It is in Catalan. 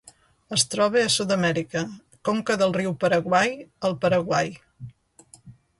Es troba a Sud-amèrica: conca del riu Paraguai al Paraguai.